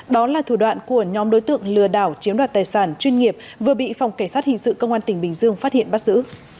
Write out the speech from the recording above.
đó là thủ đoạn của nhóm đối tượng lừa đảo chiếm đoạt tài sản chuyên nghiệp vừa bị phòng cảnh sát hình sự công an tỉnh bình dương phát hiện bắt giữ